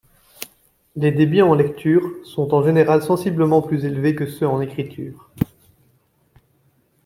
Les débits en lecture sont en général sensiblement plus élevés que ceux en écriture.